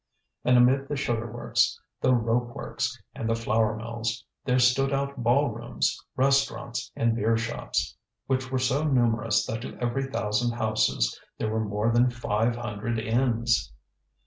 And amid the sugar works, the rope works, and the flour mills, there stood out ballrooms, restaurants, and beershops, which were so numerous that to every thousand houses there were more than five hundred inns.